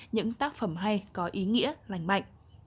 những tác phẩm hay có ý nghĩa lành mạnh